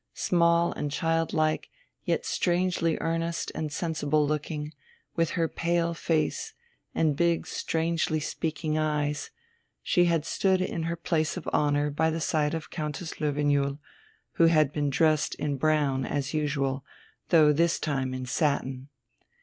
Small and child like, yet strangely earnest and sensible looking, with her pale face and big, strangely speaking eyes, she had stood in her place of honour by the side of Countess Löwenjoul, who had been dressed in brown as usual, though this time in satin.